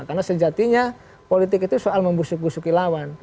karena sejatinya politik itu soal membusuki busuki lawan